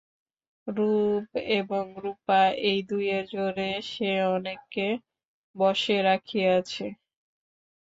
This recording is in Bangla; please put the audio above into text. রূপ এবং রূপা এই দুয়ের জোরে সে অনেককে বশে রাখিয়াছে।